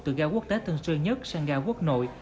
từ ga quốc tế tân sư nhất sang ga quốc nội